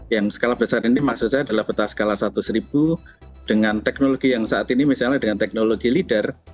yang skala besar ini maksud saya adalah peta skala seratus ribu dengan teknologi yang saat ini misalnya dengan teknologi leader